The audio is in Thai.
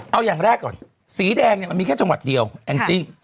เอาอย่างแรกก่อนสีแดงเนี่ยมันมีแค่จังหวัดเดียวแองจี้